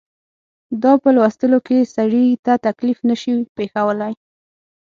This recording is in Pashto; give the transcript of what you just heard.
دا په لوستلو کې سړي ته تکلیف نه شي پېښولای.